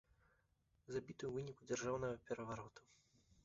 Забіты ў выніку дзяржаўнага перавароту.